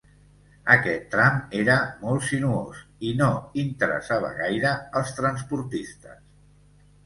Aquest tram era molt sinuós i no interessava gaire als transportistes.